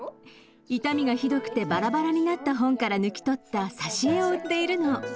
傷みがひどくてバラバラになった本から抜き取った挿絵を売っているの。